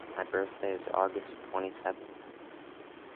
My birthday is August twenty-seventh.